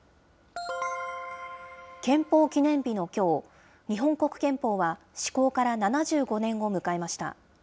憲法記念日のきょう、日本国憲法は、施行から７５年を迎えました。